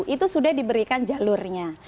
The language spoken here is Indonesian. itu sudah diberikan jalurnya